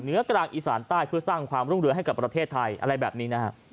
กลางอีสานใต้เพื่อสร้างความรุ่งเรือให้กับประเทศไทยอะไรแบบนี้นะฮะ